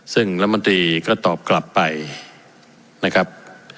ซึ่งรัฐมนตรีก็ตอบกลับไปนะครับ